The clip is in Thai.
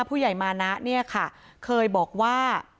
ผู้ใหญ่มานะเนี่ยค่ะเคยบอกว่า